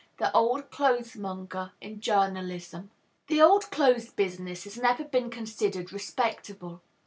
The Old Clothes Monger in Journalism. The old clothes business has never been considered respectable.